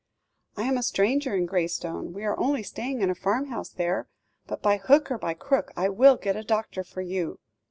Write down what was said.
"I am a stranger in Graystone. We are only staying in a farmhouse there, but by hook or by crook I will get a doctor for you."